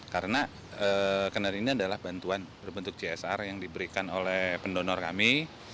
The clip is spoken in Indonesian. karena kendaraan ini adalah bantuan berbentuk csr yang diberikan oleh pendonor kami